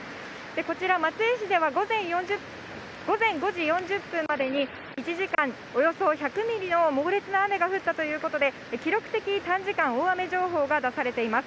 こちら、松江市では午前５時４０分までに、１時間におよそ１００ミリの猛烈な雨が降ったということで、記録的短時間大雨情報が出されています。